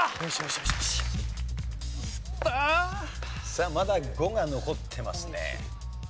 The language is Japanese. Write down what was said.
さあまだ５が残ってますね。